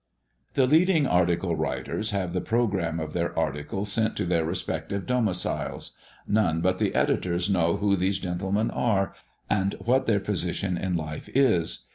The leading article writers have the programme of their articles sent to their respective domiciles. None but the editors know who these gentlemen are, and what their position in life is.